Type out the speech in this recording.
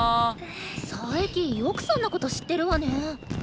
佐伯よくそんなこと知ってるわね。